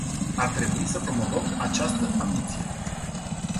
Ar trebui să promovăm această ambiție.